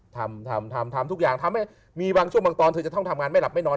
ทำทุกอย่างมีบางชุดบางตอนเธอจะต้องทำงานไม่หลับไม่นอน